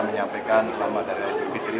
menyampaikan selamat hari hari kebitri